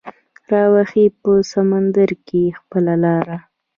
راوهي په سمندر کې خپله لاره